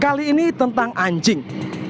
kali ini tentang anjing